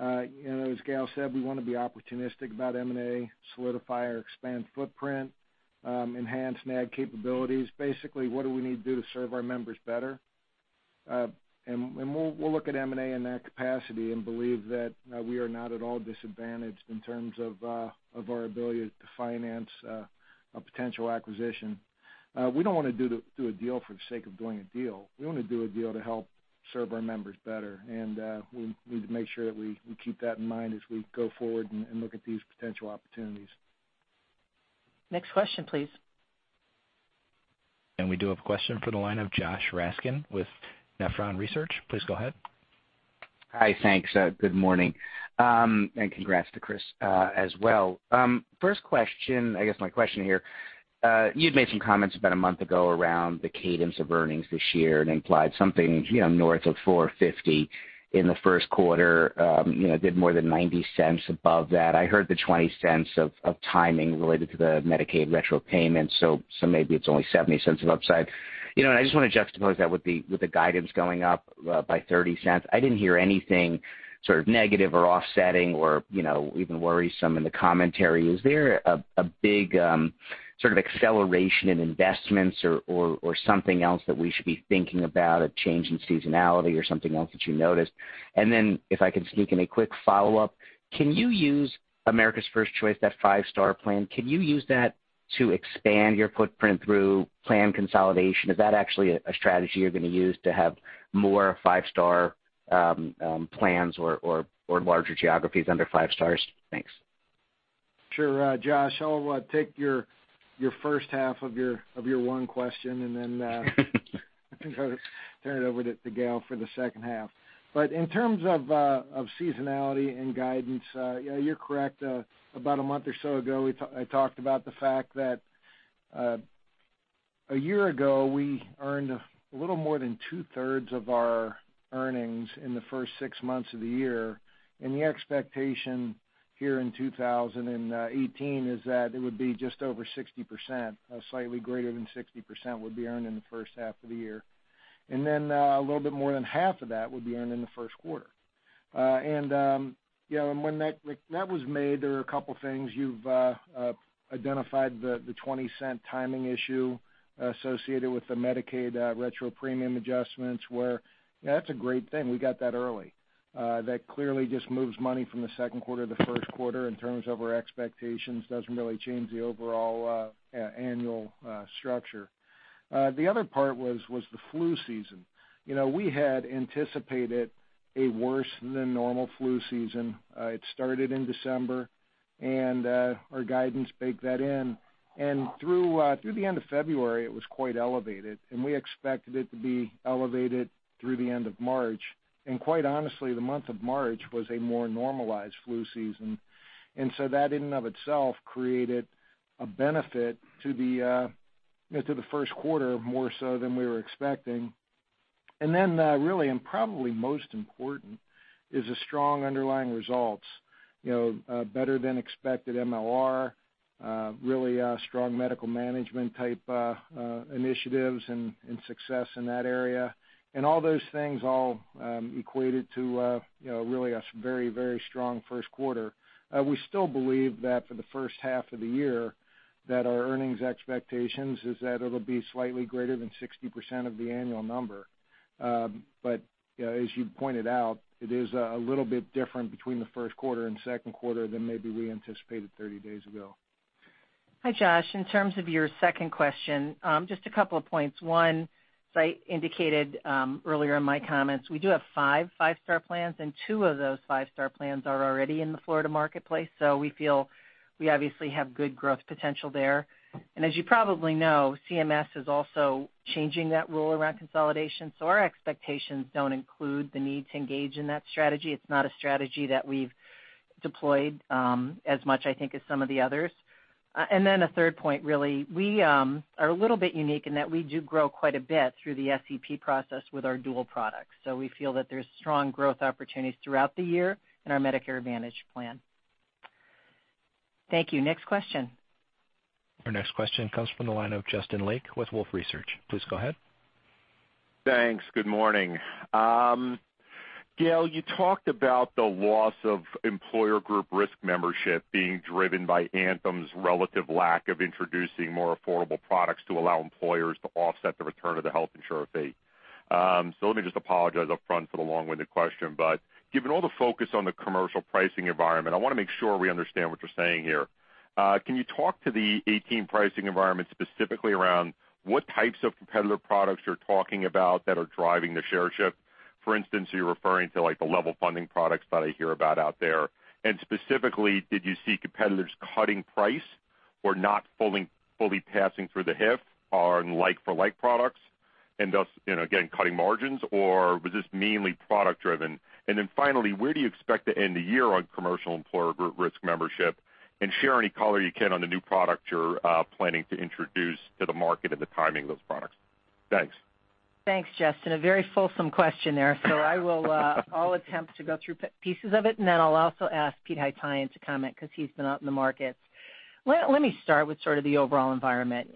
As Gail said, we want to be opportunistic about M&A, solidify or expand footprint, enhance NAD capabilities. Basically, what do we need to do to serve our members better? We'll look at M&A in that capacity and believe that we are not at all disadvantaged in terms of our ability to finance a potential acquisition. We don't want to do a deal for the sake of doing a deal. We want to do a deal to help serve our members better, and we need to make sure that we keep that in mind as we go forward and look at these potential opportunities. Next question, please. We do have a question from the line of Joshua Raskin with Nephron Research. Please go ahead. Hi, thanks. Good morning. Congrats to Chris as well. First question, I guess my question here, you made some comments about a month ago around the cadence of earnings this year and implied something north of $4.50 in the first quarter, did more than $0.90 above that. I heard the $0.20 of timing related to the Medicaid retro payments, so maybe it's only $0.70 of upside. I just want to juxtapose that with the guidance going up by $0.30. I didn't hear anything sort of negative or offsetting or even worrisome in the commentary. Is there a big sort of acceleration in investments or something else that we should be thinking about, a change in seasonality or something else that you noticed? If I can sneak in a quick follow-up, can you use America's 1st Choice, that five-star plan, can you use that to expand your footprint through plan consolidation? Is that actually a strategy you're going to use to have more five-star plans or larger geographies under five stars? Thanks. Sure, Josh. I'll take your first half of your one question. Turn it over to Gail for the second half. In terms of seasonality and guidance, you're correct. About a month or so ago, I talked about the fact that a year ago, we earned a little more than two-thirds of our earnings in the first six months of the year. The expectation here in 2018 is that it would be just over 60%, slightly greater than 60% would be earned in the first half of the year. A little bit more than half of that would be earned in the first quarter. When that was made, there were a couple things. You've identified the $0.20 timing issue associated with the Medicaid retro premium adjustments, where that's a great thing. We got that early. That clearly just moves money from the second quarter to the first quarter in terms of our expectations. Doesn't really change the overall annual structure. The other part was the flu season. We had anticipated a worse than normal flu season. It started in December, our guidance baked that in. Through the end of February, it was quite elevated, and we expected it to be elevated through the end of March. Quite honestly, the month of March was a more normalized flu season. That in and of itself created a benefit to the first quarter more so than we were expecting. Really, and probably most important is the strong underlying results. Better than expected MLR, really strong medical management type initiatives and success in that area. All those things all equated to really a very strong first quarter. We still believe that for the first half of the year, that our earnings expectations is that it'll be slightly greater than 60% of the annual number. As you pointed out, it is a little bit different between the first quarter and second quarter than maybe we anticipated 30 days ago. Hi, Josh. In terms of your second question, just a couple of points. One, as I indicated earlier in my comments, we do have five five-star plans, and two of those five-star plans are already in the Florida marketplace. We feel we obviously have good growth potential there. As you probably know, CMS is also changing that rule around consolidation. Our expectations don't include the need to engage in that strategy. It's not a strategy that we've deployed as much, I think, as some of the others. A third point, really, we are a little bit unique in that we do grow quite a bit through the SEP process with our dual products. We feel that there's strong growth opportunities throughout the year in our Medicare Advantage plan. Thank you. Next question. Our next question comes from the line of Justin Lake with Wolfe Research. Please go ahead. Thanks. Good morning. Gail, you talked about the loss of employer group risk membership being driven by Anthem's relative lack of introducing more affordable products to allow employers to offset the return of the Health Insurer Fee. Let me just apologize upfront for the long-winded question, but given all the focus on the commercial pricing environment, I want to make sure we understand what you're saying here. Can you talk to the 2018 pricing environment, specifically around what types of competitor products you're talking about that are driving the share shift? For instance, are you referring to the level funding products that I hear about out there? Specifically, did you see competitors cutting price or not fully passing through the HIF on like for like products and thus, again, cutting margins, or was this mainly product driven? Finally, where do you expect to end the year on commercial employer group risk membership? Share any color you can on the new product you're planning to introduce to the market and the timing of those products. Thanks. Thanks, Justin. A very fulsome question there. I will attempt to go through pieces of it, and then I'll also ask Pete Haytaian to comment because he's been out in the markets. Let me start with the overall environment.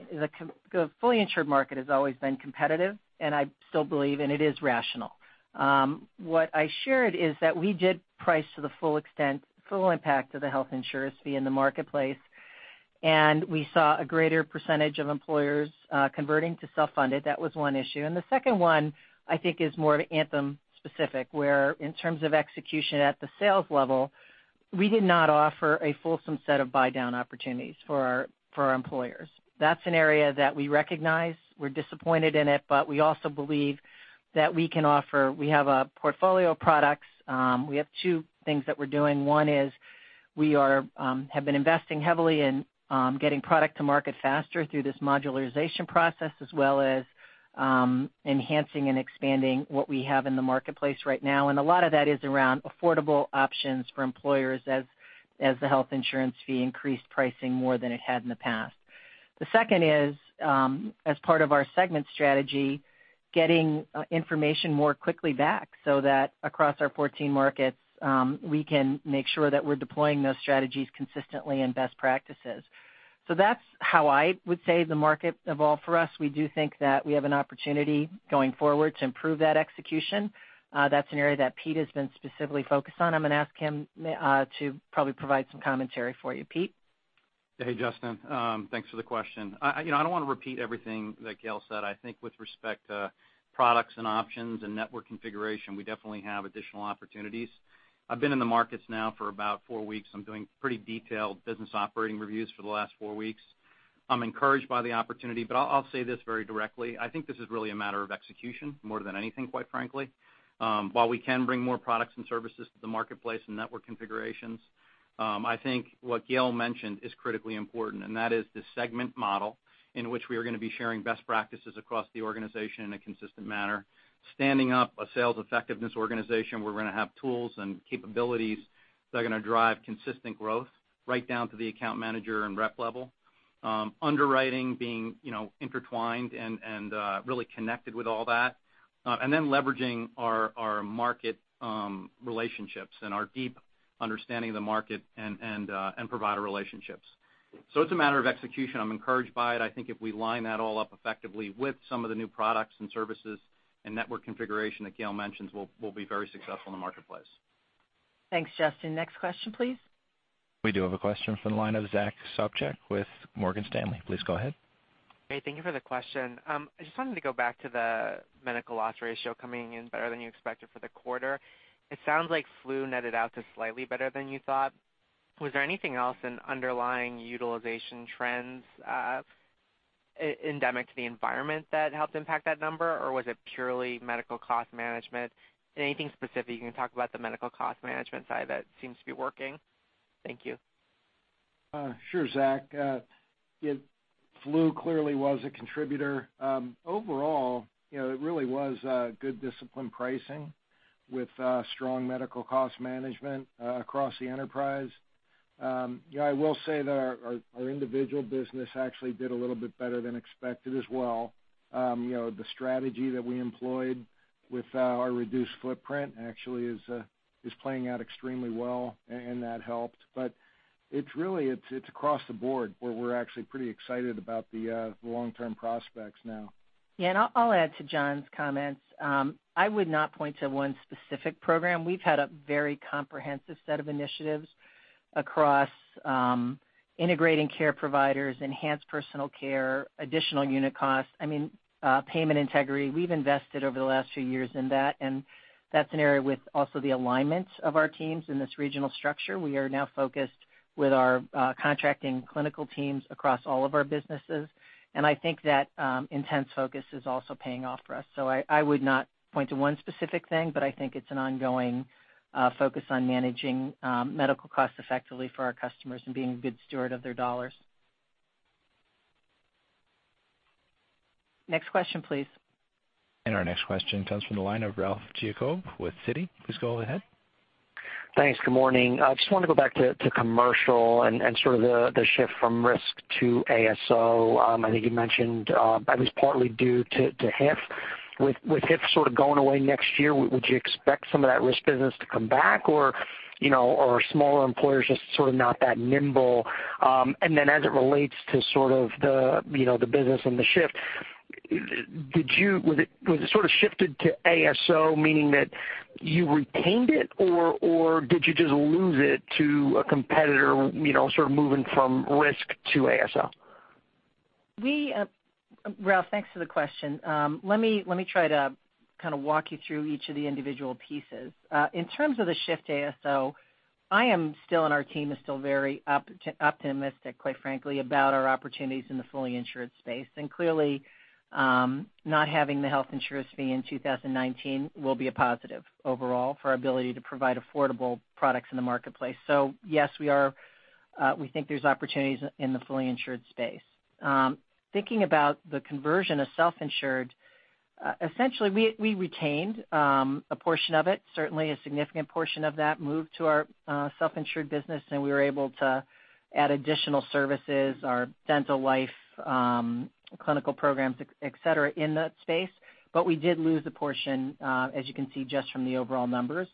The fully insured market has always been competitive, and I still believe, it is rational. What I shared is that we did price to the full extent, full impact of the Health Insurer Fee in the marketplace, and we saw a greater percentage of employers converting to self-funded. That was one issue. The second one, I think, is more Anthem specific, where in terms of execution at the sales level, we did not offer a fulsome set of buy-down opportunities for our employers. That's an area that we recognize. We're disappointed in it, but we also believe that we have a portfolio of products. We have two things that we're doing. One is we have been investing heavily in getting product to market faster through this modularization process as well as enhancing and expanding what we have in the marketplace right now. A lot of that is around affordable options for employers as the Health Insurer Fee increased pricing more than it had in the past. The second is, as part of our segment strategy, getting information more quickly back so that across our 14 markets, we can make sure that we're deploying those strategies consistently and best practices. That's how I would say the market evolved for us. We do think that we have an opportunity going forward to improve that execution. That's an area that Pete has been specifically focused on. I'm going to ask him to probably provide some commentary for you. Pete? Hey, Justin. Thanks for the question. I don't want to repeat everything that Gail said. I think with respect to products and options and network configuration, we definitely have additional opportunities. I've been in the markets now for about four weeks. I'm doing pretty detailed business operating reviews for the last four weeks. I'll say this very directly. I think this is really a matter of execution more than anything, quite frankly. While we can bring more products and services to the marketplace and network configurations, I think what Gail mentioned is critically important, and that is the segment model in which we are going to be sharing best practices across the organization in a consistent manner. Standing up a sales effectiveness organization, we're going to have tools and capabilities that are going to drive consistent growth right down to the account manager and rep level. Underwriting being intertwined and really connected with all that, and then leveraging our market relationships and our deep understanding of the market and provider relationships. It's a matter of execution. I'm encouraged by it. I think if we line that all up effectively with some of the new products and services and network configuration that Gail mentions, we'll be very successful in the marketplace. Thanks, Justin. Next question, please. We do have a question from the line of Zack Sopcak with Morgan Stanley. Please go ahead. Hey, thank you for the question. I just wanted to go back to the medical loss ratio coming in better than you expected for the quarter. It sounds like flu netted out to slightly better than you thought. Was there anything else in underlying utilization trends endemic to the environment that helped impact that number, or was it purely medical cost management? Anything specific you can talk about the medical cost management side that seems to be working? Thank you. Sure, Zack. Flu clearly was a contributor. Overall, it really was good discipline pricing with strong medical cost management across the enterprise. I will say that our individual business actually did a little bit better than expected as well. The strategy that we employed with our reduced footprint actually is playing out extremely well, and that helped. Really, it's across the board where we're actually pretty excited about the long-term prospects now. Yeah, I'll add to John's comments. I would not point to one specific program. We've had a very comprehensive set of initiatives across integrating care providers, Enhanced Personal Health Care, additional unit costs, payment integrity. We've invested over the last few years in that. That's an area with also the alignment of our teams in this regional structure. We are now focused with our contracting clinical teams across all of our businesses. I think that intense focus is also paying off for us. I would not point to one specific thing. I think it's an ongoing focus on managing medical costs effectively for our customers and being a good steward of their dollars. Next question, please. Our next question comes from the line of Ralph Giacobbe with Citi. Please go ahead. Thanks. Good morning. I just wanted to go back to commercial and sort of the shift from risk to ASO. I think you mentioned that was partly due to HIF. With HIF sort of going away next year, would you expect some of that risk business to come back, or are smaller employers just sort of not that nimble? As it relates to sort of the business and the shift Was it sort of shifted to ASO, meaning that you retained it, or did you just lose it to a competitor, sort of moving from risk to ASO? Ralph, thanks for the question. Let me try to kind of walk you through each of the individual pieces. In terms of the shift to ASO, I am still, and our team is still very optimistic, quite frankly, about our opportunities in the fully insured space. Clearly, not having the Health Insurer Fee in 2019 will be a positive overall for our ability to provide affordable products in the marketplace. Yes, we think there's opportunities in the fully insured space. Thinking about the conversion of self-insured, essentially, we retained a portion of it. Certainly, a significant portion of that moved to our self-insured business, and we were able to add additional services, our dental life clinical programs, et cetera, in that space. We did lose a portion, as you can see, just from the overall numbers.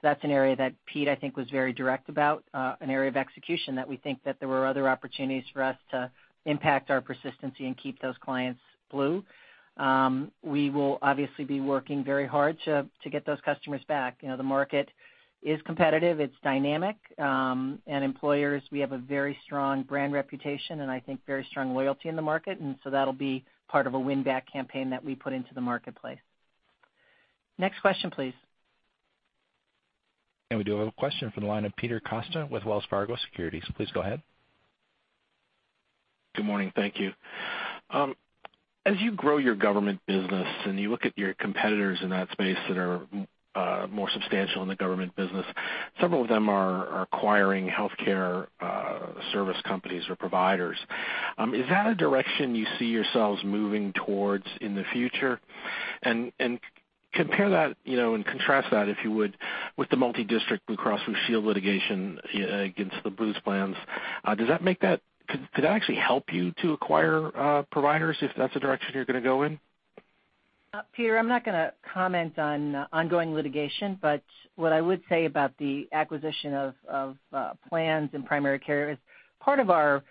That's an area that Pete, I think, was very direct about, an area of execution that we think that there were other opportunities for us to impact our persistency and keep those clients blue. We will obviously be working very hard to get those customers back. The market is competitive, it's dynamic, and employers, we have a very strong brand reputation, and I think very strong loyalty in the market, and so that'll be part of a win-back campaign that we put into the marketplace. Next question, please. We do have a question from the line of Peter Costa with Wells Fargo Securities. Please go ahead. Good morning. Thank you. As you grow your government business and you look at your competitors in that space that are more substantial in the government business, some of them are acquiring healthcare service companies or providers. Is that a direction you see yourselves moving towards in the future? Compare that and contrast that, if you would, with the multi-district Blue Cross and Blue Shield litigation against the Blue plans. Could that actually help you to acquire providers if that's the direction you're going to go in? Peter, I'm not going to comment on ongoing litigation, but what I would say about the acquisition of plans and primary care is part of our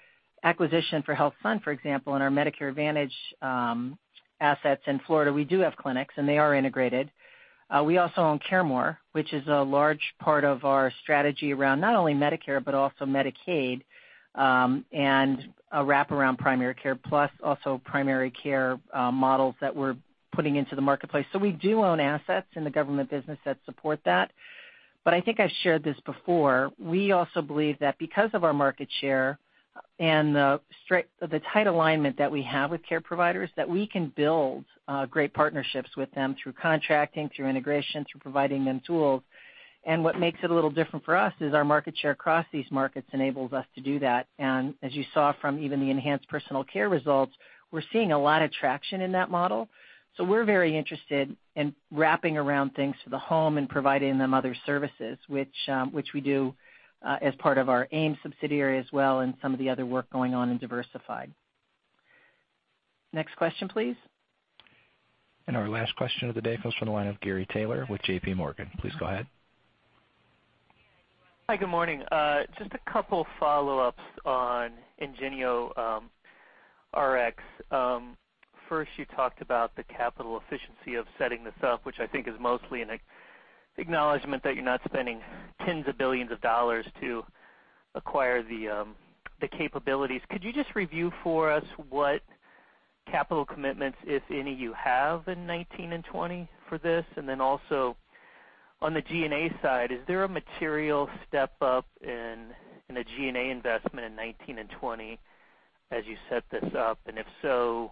acquisition for HealthSun, for example, and our Medicare Advantage assets in Florida, we do have clinics, and they are integrated. We also own CareMore, which is a large part of our strategy around not only Medicare, but also Medicaid, and a wraparound primary care, plus also primary care models that we're putting into the marketplace. We do own assets in the government business that support that. I think I shared this before, we also believe that because of our market share and the tight alignment that we have with care providers, that we can build great partnerships with them through contracting, through integration, through providing them tools. What makes it a little different for us is our market share across these markets enables us to do that. As you saw from even the Enhanced Personal Care results, we're seeing a lot of traction in that model. We're very interested in wrapping around things to the home and providing them other services, which we do as part of our AIM subsidiary as well and some of the other work going on in diversified. Next question, please. Our last question of the day comes from the line of Gary Taylor with JPMorgan. Please go ahead. Hi, good morning. Just a couple follow-ups on IngenioRx. First, you talked about the capital efficiency of setting this up, which I think is mostly an acknowledgment that you're not spending tens of billions of dollars to acquire the capabilities. Could you just review for us what capital commitments, if any, you have in 2019 and 2020 for this? Also on the G&A side, is there a material step up in the G&A investment in 2019 and 2020 as you set this up? If so,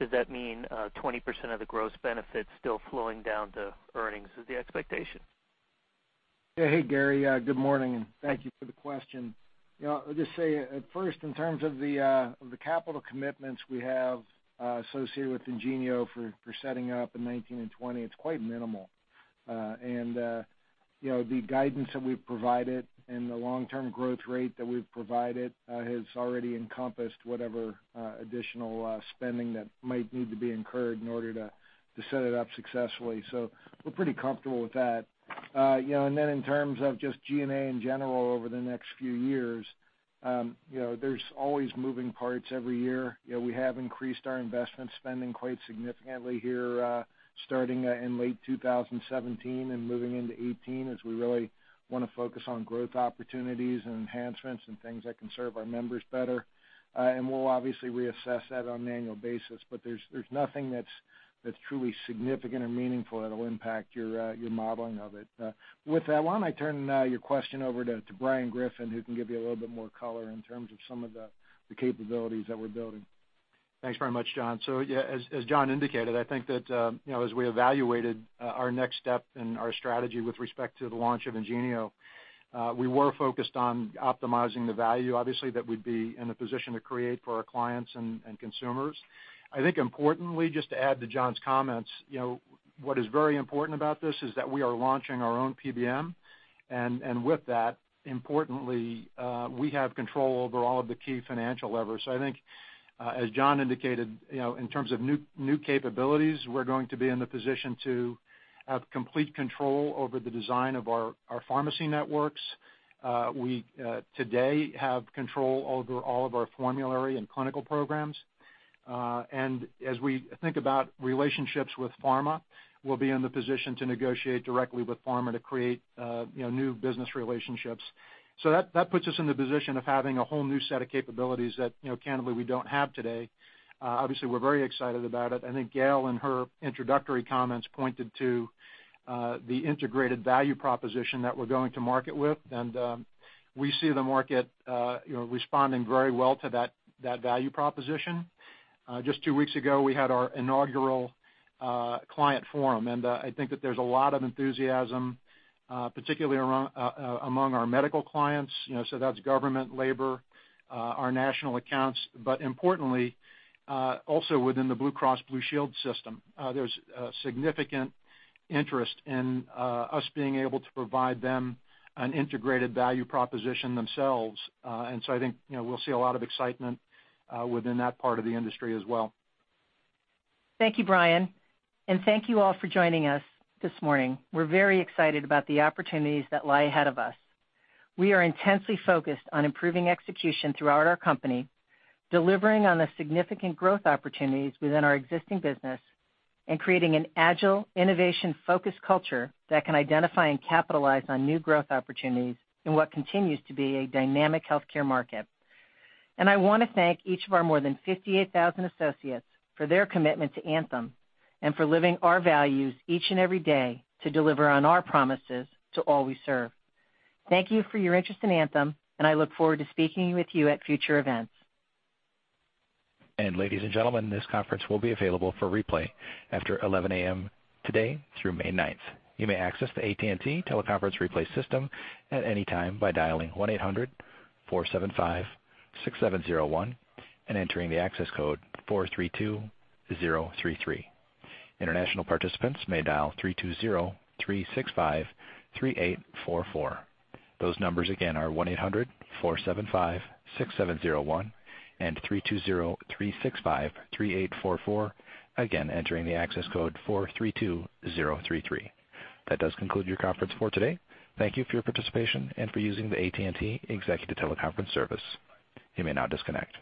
does that mean 20% of the gross benefits still flowing down to earnings is the expectation? Hey, Gary, good morning, and thank you for the question. I'll just say at first, in terms of the capital commitments we have associated with IngenioRx for setting up in 2019 and 2020, it's quite minimal. The guidance that we've provided and the long-term growth rate that we've provided has already encompassed whatever additional spending that might need to be incurred in order to set it up successfully. We're pretty comfortable with that. Then in terms of just G&A in general over the next few years, there's always moving parts every year. We have increased our investment spending quite significantly here starting in late 2017 and moving into 2018 as we really want to focus on growth opportunities and enhancements and things that can serve our members better. We'll obviously reassess that on an annual basis. There's nothing that's truly significant or meaningful that'll impact your modeling of it. With that, why don't I turn your question over to Brian Griffin, who can give you a little bit more color in terms of some of the capabilities that we're building. Thanks very much, John. Yeah, as John indicated, I think that as we evaluated our next step in our strategy with respect to the launch of Ingenio, we were focused on optimizing the value, obviously, that we'd be in a position to create for our clients and consumers. I think importantly, just to add to John's comments, what is very important about this is that we are launching our own PBM, and with that, importantly, we have control over all of the key financial levers. I think, as John indicated, in terms of new capabilities, we're going to be in the position to have complete control over the design of our pharmacy networks. We today have control over all of our formulary and clinical programs. As we think about relationships with pharma, we'll be in the position to negotiate directly with pharma to create new business relationships. That puts us in the position of having a whole new set of capabilities that, candidly, we don't have today. Obviously, we're very excited about it. I think Gail, in her introductory comments, pointed to the integrated value proposition that we're going to market with, and we see the market responding very well to that value proposition. Just 2 weeks ago, we had our inaugural client forum, and I think that there's a lot of enthusiasm, particularly among our medical clients. That's government, labor, our national accounts, but importantly, also within the Blue Cross Blue Shield system. There's significant interest in us being able to provide them an integrated value proposition themselves. I think we'll see a lot of excitement within that part of the industry as well. Thank you, Brian. Thank you all for joining us this morning. We're very excited about the opportunities that lie ahead of us. We are intensely focused on improving execution throughout our company, delivering on the significant growth opportunities within our existing business, and creating an agile, innovation-focused culture that can identify and capitalize on new growth opportunities in what continues to be a dynamic healthcare market. I want to thank each of our more than 58,000 associates for their commitment to Anthem and for living our values each and every day to deliver on our promises to all we serve. Thank you for your interest in Anthem, I look forward to speaking with you at future events. Ladies and gentlemen, this conference will be available for replay after 11:00 A.M. today through May 9th. You may access the AT&T teleconference replay system at any time by dialing 1-800-475-6701 and entering the access code 432033. International participants may dial 320-365-3844. Those numbers again are 1-800-475-6701 and 320-365-3844, again, entering the access code 432033. That does conclude your conference for today. Thank you for your participation and for using the AT&T Executive Teleconference Service. You may now disconnect.